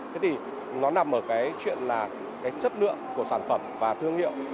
thế thì nó nằm ở cái chuyện là cái chất lượng của sản phẩm và thương hiệu